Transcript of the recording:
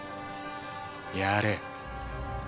やれ。